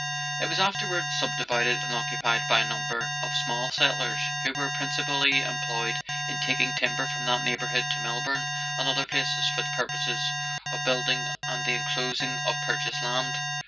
It was afterwards subdivided and occupied by a number of small settlers, who were principally employed in taking timber from that neighbourhood to Melbourne and other places for the purposes of building and the enclosing of purchased land.